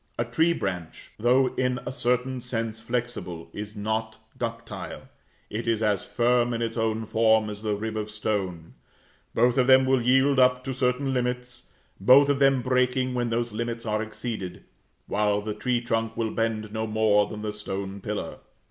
A tree branch, though in a certain sense flexible, is not ductile; it is as firm in its own form as the rib of stone; both of them will yield up to certain limits, both of them breaking when those limits are exceeded; while the tree trunk will bend no more than the stone pillar.